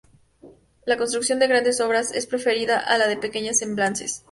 La construcción de grandes obras es preferida a la de pequeños embalses.